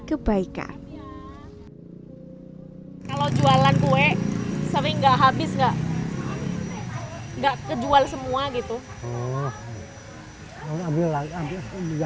namun tak jarang tuban harus membawa pulang dagangan yang tersisa karena tidak laku terjual